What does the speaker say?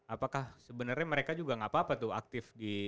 apakah sebenarnya mereka juga gak apa apa tuh aktif di